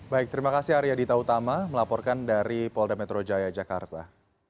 baik terima kasih arya dita utama melaporkan dari polda metro jaya jakarta